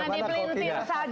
asal jangan dipelintir saja